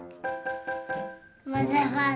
まぜまぜ！